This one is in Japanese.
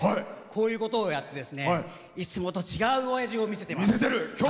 こういうことをやっていつもと違う親父を見せています。